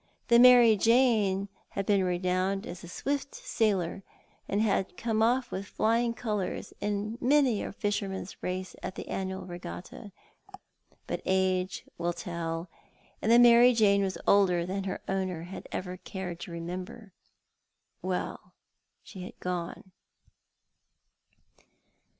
The Mary Jane had been renowned as a swift sailer, and had come off with flying colours in many a fisherman's race at the annual regatta ; but age will tell, and the Mary Jane was older than her owner had ever cared to remember. Well, she had gone.